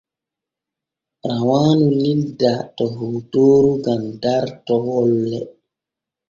Rawaanu lildaa to hootooru gam dartot wolle.